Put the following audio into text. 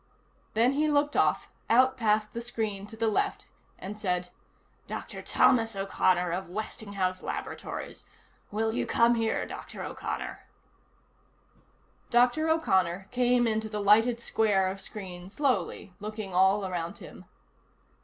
Then he looked off, out past the screen to the left, and said: "Dr. Thomas O'Connor, of Westinghouse Laboratories. Will you come here, Dr. O'Connor?" Dr. O'Connor came into the lighted square of screen slowly, looking all around him.